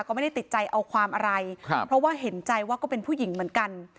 ก็ไม่ได้ติดใจเอาความอะไรครับเพราะว่าเห็นใจว่าก็เป็นผู้หญิงเหมือนกัน